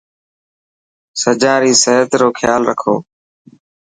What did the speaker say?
سجان ري صحت روخيال رکو.